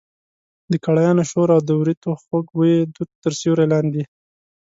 د کړایانو شور او د وریتو خوږ بویه دود تر سیوري لاندې.